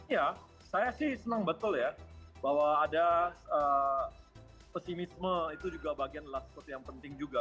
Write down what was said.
ya saya sih senang betul ya bahwa ada pesimisme itu juga bagian adalah seperti yang penting juga